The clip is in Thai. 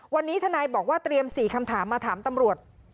วันนี้ทนายบอกว่าเตรียม๔คำถามมาถามตำรวจ